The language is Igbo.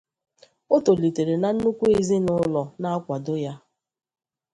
O tolitere na nnukwu ezinụlọ na-akwado ya.